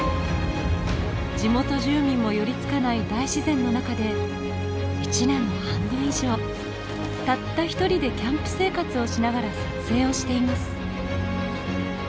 地元住民も寄りつかない大自然の中で１年の半分以上たった一人でキャンプ生活をしながら撮影をしています